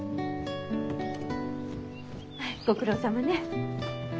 ご苦労さまね。